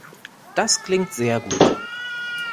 Das klingt sehr gut.